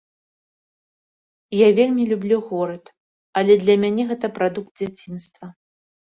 Я вельмі люблю горад, але для мяне гэта прадукт дзяцінства.